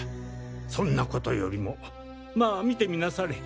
そんなことよりもまあ見てみなされ！